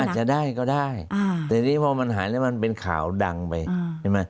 อาจจะได้ก็ได้แต่ทีนี้พอมันหายแล้วมันเป็นข่าวดังไป